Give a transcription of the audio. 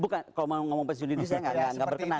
bukan kalau mau ngomong pen judul ini saya gak berkenan